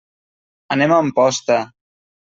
Anem a Amposta.